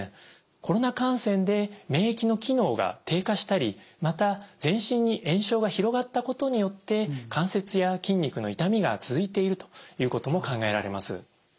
コロナ感染で免疫の機能が低下したりまた全身に炎症が広がったことによって関節や筋肉の痛みが続いているということも考えられます。